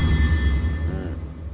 うん。